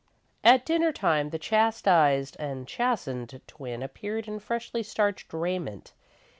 At dinner time the chastised and chastened twin appeared in freshly starched raiment.